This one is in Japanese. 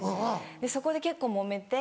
そこで結構モメて。